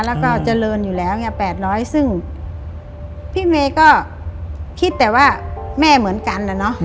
แล้วก็เจริญอยู่แล้วไง๘๐๐ซึ่งพี่เมย์ก็คิดแต่ว่าแม่เหมือนกันนะเนอะ